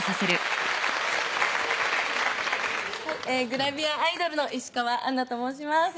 グラビアアイドルの石川あんなと申します